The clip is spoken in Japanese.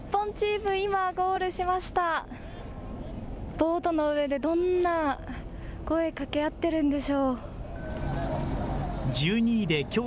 ボートの上でどんな声かけ合ってるんでしょう。